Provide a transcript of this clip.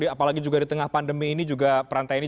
apalagi di tengah pandemi ini peran tni